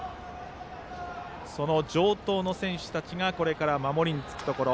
城東の選手たちがこれから守りにつくところ。